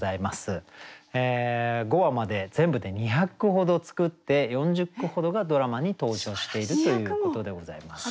５話まで全部で２００句ほど作って４０句ほどがドラマに登場しているということでございます。